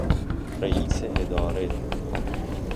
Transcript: رییس اداره